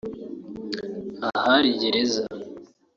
ahari gereza